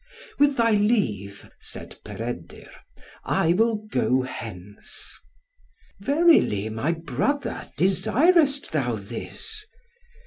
"With thy leave," said Peredur, "I will go hence." "Verily, my brother, desirest thou this?"